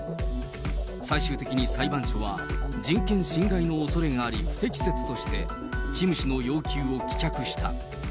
最終的に裁判所は人権侵害のおそれがあり不適切として、キム氏の要求を棄却した。